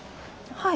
はい。